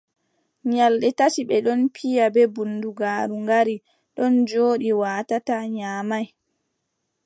Nyalɗe tati ɓe ɗon piya ɗe bundugaaru ngaari ɗon jooɗi, waatataa, nyaamay.